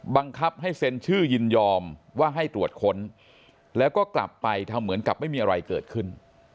บังคับให้เซ็นชื่อยินยอมว่าให้ตรวจค้นแล้วก็กลับไปทำเหมือนกับไม่มีอะไรเกิดขึ้น